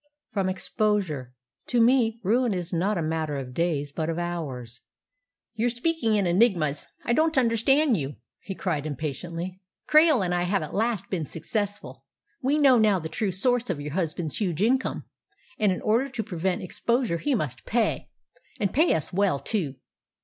"From exposure. To me, ruin is not a matter of days, but of hours." "You're speaking in enigmas. I don't understand you," he cried impatiently. "Krail and I have at last been successful. We know now the true source of your husband's huge income, and in order to prevent exposure he must pay and pay us well too."